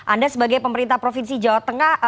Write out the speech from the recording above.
anda sebagai pemerintah provinsi jawa tengah